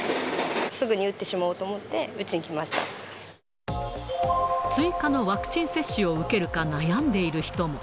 すぐに打ってしまおうと思って、追加のワクチン接種を受けるか悩んでいる人も。